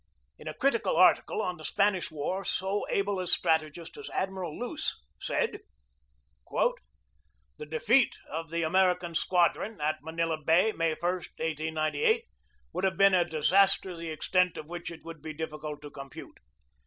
In a critical article on the Spanish War so able a strate gist as Admiral Luce said: "The defeat of the American Squadron at Manila Bay, May ist, 1898, would have been a disaster the extent of which it would be difficult to compute.